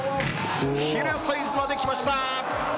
ヒルサイズまできました。